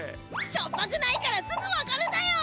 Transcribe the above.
しょっぱくないからすぐ分かるだよ。